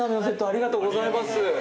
ありがとうございます。